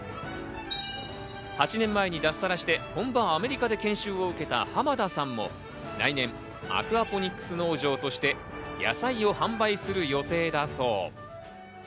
８年前に脱サラして本場アメリカで研修を受けた濱田さんも来年アクアポニックス農場として野菜を販売する予定だそう。